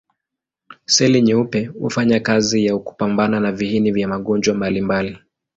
Seli nyeupe hufanya kazi ya kupambana na viini vya magonjwa mbalimbali.